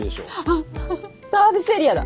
あっサービスエリアだ。